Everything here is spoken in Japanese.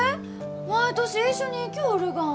毎年一緒に行きょうるがん。